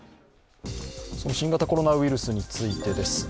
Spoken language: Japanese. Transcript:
新型コロナウイルスについてです。